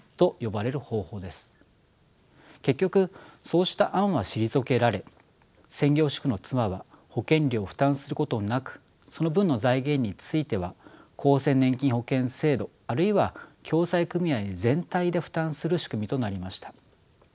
結局そうした案は退けられ専業主婦の妻は保険料を負担することなくその分の財源については厚生年金保険制度あるいは共済組合全体で負担する仕組みとなりました。